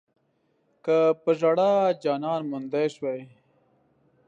که پۀ ژړا جانان موندی شوی